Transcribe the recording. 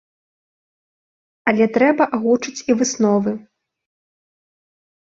Але трэба агучыць і высновы.